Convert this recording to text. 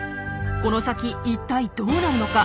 この先一体どうなるのか？